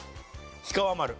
氷川丸。